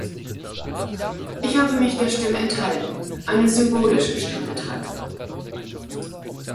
Ich habe mich der Stimme enthalten, eine symbolische Stimmenthaltung.